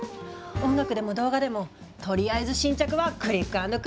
音楽でも動画でもとりあえず新着はクリックアンドクリックよ。